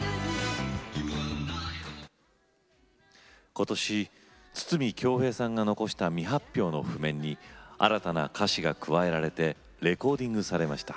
今年筒美京平さんが残した未発表の譜面に新たな歌詞が加えられてレコーディングされました。